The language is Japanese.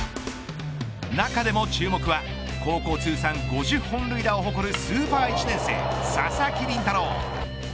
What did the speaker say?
中でも注目は高校通算５０本塁打を誇るスーパー１年生佐々木麟太郎。